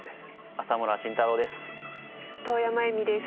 浅村慎太郎です。